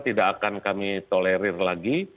tidak akan kami tolerir lagi